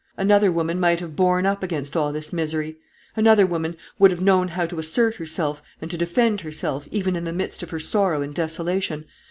Another woman might have borne up against all this misery. Another woman would have known how to assert herself, and to defend herself, even in the midst of her sorrow and desolation.